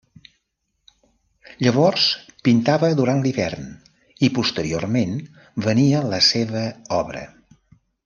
Llavors pintava durant l'hivern i posteriorment venia la seva obra.